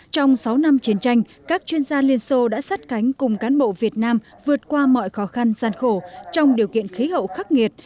trong sáu năm chiến tranh các chuyên gia liên xô đã sát cánh cùng cán bộ việt nam vượt qua mọi khó khăn gian khổ trong điều kiện khí hậu khắc nghiệt